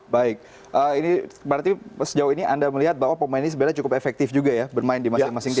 baik berarti sejauh ini anda melihat bahwa pemain ini sebenarnya cukup efektif juga ya bermain di masing masing tim